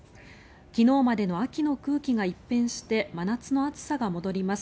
昨日までの秋の空気が一変して真夏の暑さが戻ります。